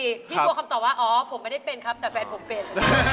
พี่กลัวคำตอบว่าอ๋อผมไม่ได้เป็นครับแต่แฟนผมเป็น